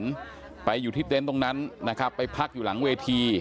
ไปอยู่ที่เต็นต์ตรงนั้นนะครับไปพักอยู่หลังเวที